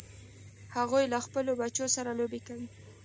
هغوی له خپلو بچو سره لوبې کوي